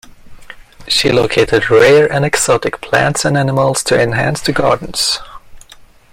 She located rare and exotic plants and animals to enhance the gardens.